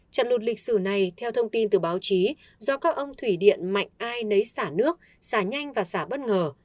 trận lụt lịch sử này theo thông tin từ báo chí do các ông thủy điện mạnh ai nấy xả nước xả nhanh và xả bất ngờ